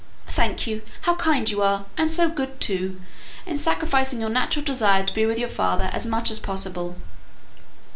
"Thank you. How kind you are! and so good, too, in sacrificing your natural desire to be with your father as much as possible."